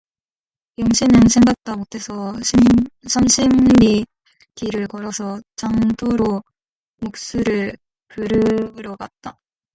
영신은 생각다 못해서 삼십 리 길을 걸어서 장터로 목수를 부르러 갔다.